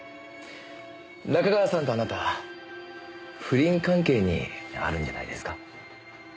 仲川さんとあなた不倫関係にあるんじゃないですか？